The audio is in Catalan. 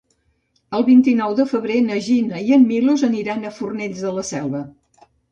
El vint-i-nou de febrer na Gina i en Milos aniran a Fornells de la Selva.